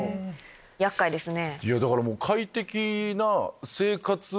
厄介ですね。